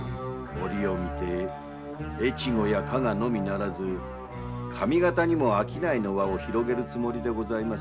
折を見て越後や加賀のみならず上方にも商いの輪を広げるつもりです。